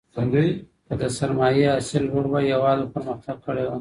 که د سرمايې حاصل لوړ وای هيواد به پرمختګ کړی وای.